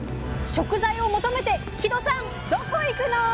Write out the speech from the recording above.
食材を求めて木戸さんどこ行くの？